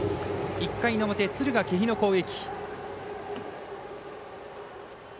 １回の表、敦賀気比の攻撃。